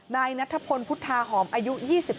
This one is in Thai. นายนัทพลพุทธาหอมอายุ๒๓